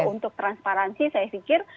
untuk transparansi saya pikir